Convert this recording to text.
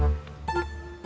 kamu mau ke rumah